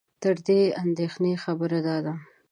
تر دې اندېښنې خبره دا ده